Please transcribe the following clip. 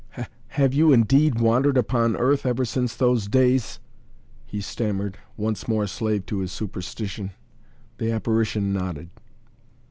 "Have you indeed wandered upon earth ever since those days?" he stammered, once more slave to his superstition. The apparition nodded.